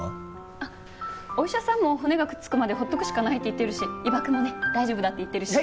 お医者さんも骨がくっつくまで放っておくしかないって言ってるし伊庭くんもね大丈夫だって言ってるし。